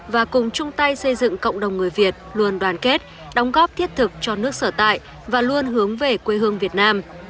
và cùng chung tay xây dựng cộng đồng người việt luôn đoàn kết đóng góp thiết thực cho nước sở tại và luôn hướng về quê hương việt nam